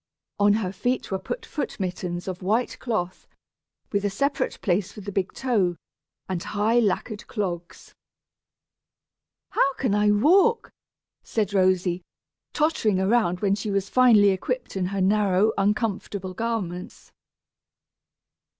On her feet were put foot mittens of white cloth, with a separate place for the big toe, and high lacquered clogs. "How can I walk?" said Rosy, tottering around when she was finally equipped in her narrow uncomfortable garments.